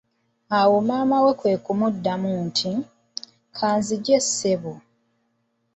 Awo maama we kwe kumuddamu nti:"kanzigye ssebo"